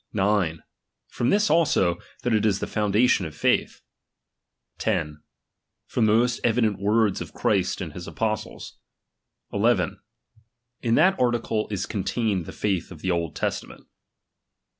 9. From this also, that it is the fmindalioD of faith. 10. From the moat evident words of Christ and his apostles. II. In that article is contained the faith of the Old Testament.